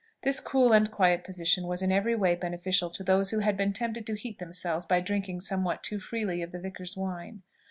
This cool and quiet position was in every way beneficial to those who had been tempted to heat themselves by drinking somewhat too freely of the vicar's wine.